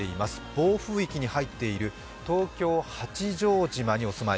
暴風域に入っている東京・八丈島にお住まい